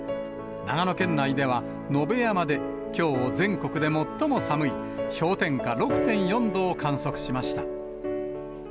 長野県内では野辺山できょう、全国で最も寒い、氷点下６．４度を観測しました。